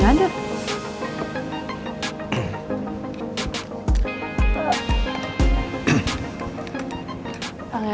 ya ada tipe tipe